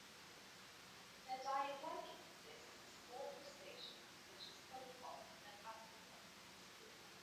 Their diet likely consists of small crustaceans such as copepods and amphipods.